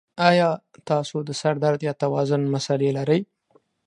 ایا تاسو د سر درد یا توازن مسلې لرئ؟